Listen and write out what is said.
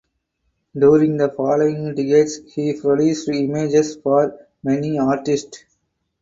During the following decades he produced images for many artists.